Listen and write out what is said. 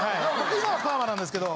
今はパーマなんですけど。